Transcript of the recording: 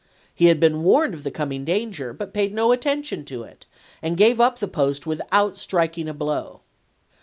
He had been warned of the coming danger, but paid no attention to it, and gave up the post without striking a blow.